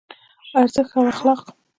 ارزښت او اخلاق